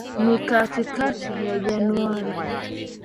Ni katikati ya Januari.